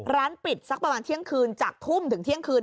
ร้านปิดสักประมาณเที่ยงคืนจากทุ่มถึงเที่ยงคืน